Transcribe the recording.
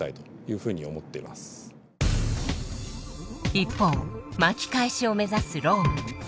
一方巻き返しを目指すローム。